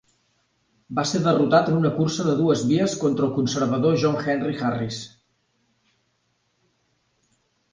Va ser derrotat en una cursa de dues vies contra el conservador John Henry Harris.